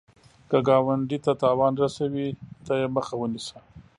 که ګاونډي ته تاوان رسوي، ته یې مخه ونیسه